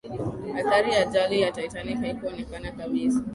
athari ya ajali ya titanic haikuonekana kabisa